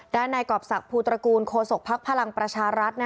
ในกรอบศักดิภูตระกูลโคศกภักดิ์พลังประชารัฐ